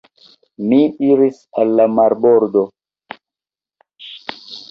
Mi iris al la marbordo.